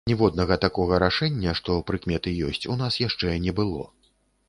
Ніводнага такога рашэння, што прыкметы ёсць, у нас яшчэ не было.